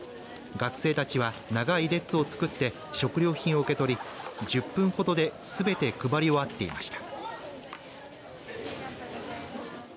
学生たちは長い列を作って食料品を受け取り１０分ほどですべて配り終わっていました。